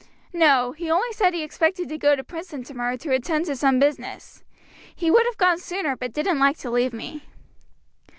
"No, he only said he expected to go to Princeton to morrow to attend to some business. He would have gone sooner, but didn't like to leave me."